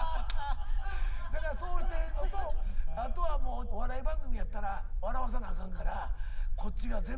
だからそうしてるのとあとはもうお笑い番組やったら笑わさなあかんからこっちが全部持っていく。